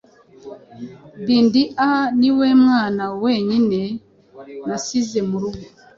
Bindia niwe mwana wenyine nasize murugo